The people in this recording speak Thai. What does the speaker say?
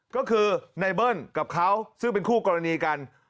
ก็คือในเบิ้ลกับเขาซึ่งเป็นคู่กรณีกัน